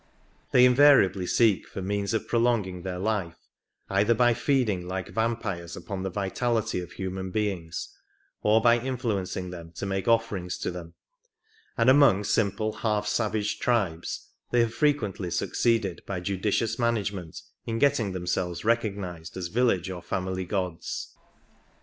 They in variably seek for means of prolonging their life either by feeding like vampires upon the vitality of human beings, or by influencing them to make offerings to them ; and among simple half savage tribes they have frequently succeeded by judicious management in getting themselves recognized as village or family gods.